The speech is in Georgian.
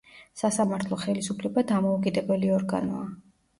სასამართლო ხელისუფლება დამოუკიდებელი ორგანოა.